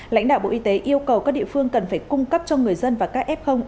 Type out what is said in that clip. lãnh đạo bộ y tế yêu cầu các địa phương cần phải cung cấp cho người dân và các f